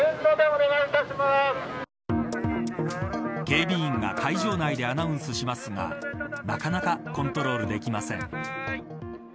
警備員が会場内でアナウンスしますがなかなかコントロールできません。